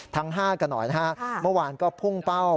ทั้ง๕กันหน่อยนะฮะเมื่อวานก็พุ่งเป้า